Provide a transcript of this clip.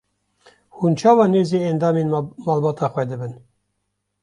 Hûn çawa nêzî endamên malbata xwe dibin?